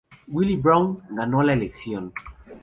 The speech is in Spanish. Willie Brown ganó la elección.